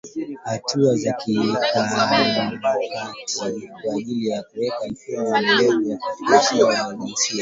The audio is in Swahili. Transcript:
Hatua za kimkakati kwa ajili ya kuweka mfumo endelevu wa kufikia usawa wa kijinsia